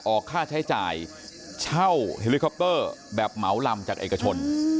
ออกค่าใช้จ่ายเช่าเฮลิคอปเตอร์แบบเหมาลำจากเอกชน